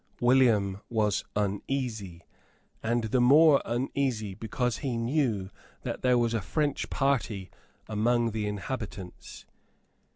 William was uneasy, and the more uneasy because he knew that there was a French party among the inhabitants.